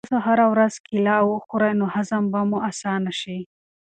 که تاسو هره ورځ کیله وخورئ نو هضم به مو اسانه شي.